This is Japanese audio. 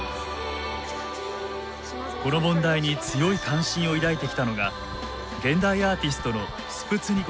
この問題に強い関心を抱いてきたのが現代アーティストのスプツニ子！